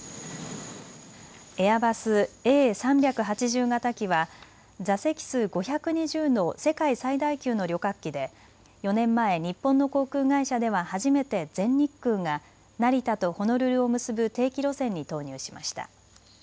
エアバスＡ３８０型機は座席数５２０の世界最大級の旅客機で４年前、日本の航空会社では初めて全日空が成田とホノルルを結ぶ定期路線に投入しました。